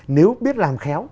nếu biết làm khéo